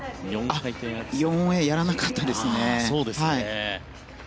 あ、４Ａやらなかったですね。